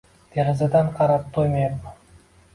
Derazadan qarab to`ymayapman